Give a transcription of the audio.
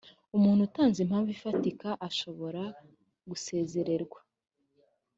umuntu utanze impamvu ifatika ashobora gusezererwa